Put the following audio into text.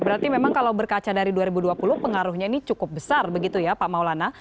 berarti memang kalau berkaca dari dua ribu dua puluh pengaruhnya ini cukup besar begitu ya pak maulana